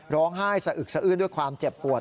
ร้องไห้สะอึกสะอื้นด้วยความเจ็บปวด